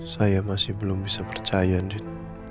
saya masih belum bisa percaya diri